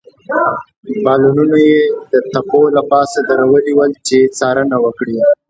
بالونونه يې د تپو له پاسه درولي ول، چې څارنه وکړي.